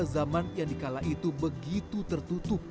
lebih dari itu koleksinya memotret berbagai pustaka